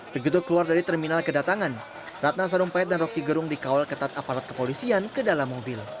begitu keluar dari terminal kedatangan ratna sarumpait dan roky gerung dikawal ketat aparat kepolisian ke dalam mobil